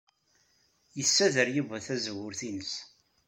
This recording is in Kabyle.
Yessader Yuba tazewwut-nnes.